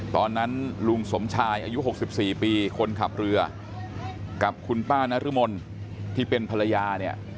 ตอนนั้นลุงสมชายอายุ๖๔ปีคนขับเรือกับคุณป้านรมนที่เป็นภรรยาเนี่ย